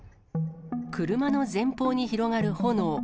車の前方に広がる炎。